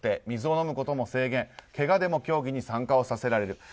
水を飲むことも制限けがでも競技に参加をさせられる。